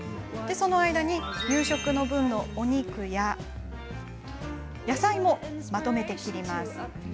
その間に、夕食の分のお肉や野菜もまとめ切り。